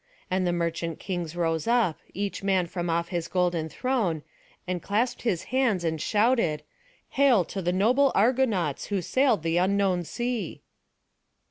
And the merchant kings rose up, each man from off his golden throne, and clasped their hands, and shouted: "Hail to the noble Argonauts, who sailed the unknown sea!"